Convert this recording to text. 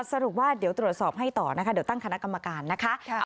สรุปว่าเดี๋ยวตรวจสอบให้ต่อนะคะเดี๋ยวตั้งคณะกรรมการนะคะ